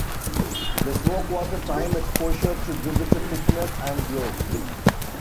The smoke was a time exposure to give it a thickness and glow.